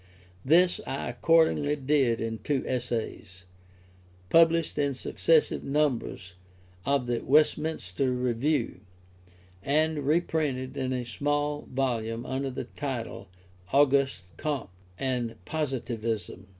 This I accordingly did in two essays, published in successive numbers of the Westminster Review, and reprinted in a small volume under the title Auguste Comte and Positivism.